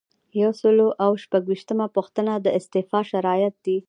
یو سل او شپږ ویشتمه پوښتنه د استعفا شرایط دي.